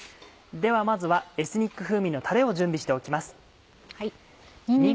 ではまずはエスニック風味のタレを準備しておきます。